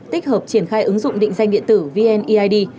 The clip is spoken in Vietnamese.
tích hợp triển khai ứng dụng định danh điện tử vneid